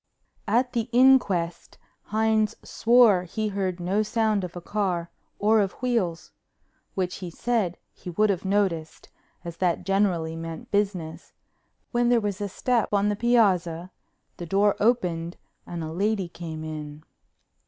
At the inquest Hines swore that he heard no sound of a car or of wheels—which, he said, he would have noticed, as that generally meant business—when there was a step on the piazza, the door opened and a lady came in.